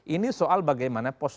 ini soal bagaimana pendukungnya